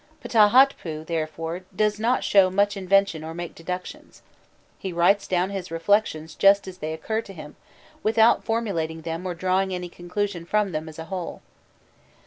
Phtahhotpû, therefore, does not show much invention or make deductions. He writes down his reflections just as they occur to him, without formulating them or drawing any conclusion from them as a whole.